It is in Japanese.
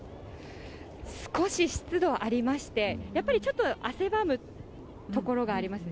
少し湿度はありまして、やっぱりちょっと汗ばむところがあります。